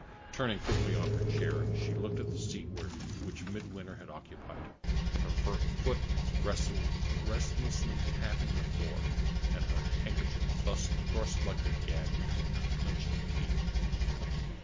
Turning quickly on her chair, she looked at the seat which Midwinter had occupied, her foot restlessly tapping the floor, and her handkerchief thrust like a gag between her clinched teeth.